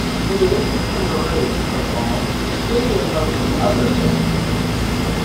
In addition to Maroons football, the stadium hosted other events.